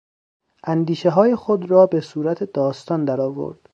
اندیشههای خود را به صورت داستان در آورد.